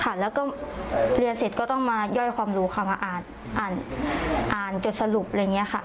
แล้วก็เรียนเสร็จก็ต้องมาย่อยความรู้ค่ะมาอ่านอ่านจดสรุปอะไรอย่างนี้ค่ะ